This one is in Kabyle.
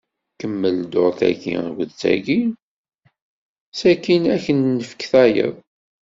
Kemmel dduṛt-agi akked tagi, sakin ad k-nefk tayeḍ.